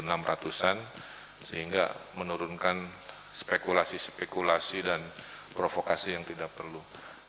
saya adalah relawan dari satu enam ratus an sehingga menurunkan spekulasi spekulasi dan provokasi yang tidak perlu